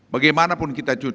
bagaimanapun kita curi